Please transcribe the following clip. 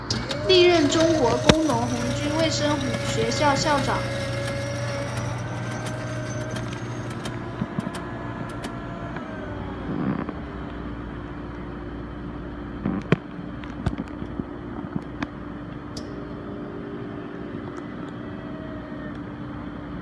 嘉庆十六年辛未科进士。